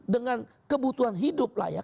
dengan kebutuhan hidup layak